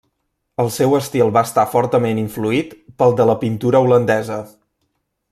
El seu estil va estar fortament influït pel de la pintura holandesa.